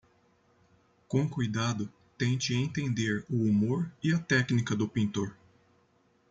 Com cuidado, tente entender o humor e a técnica do pintor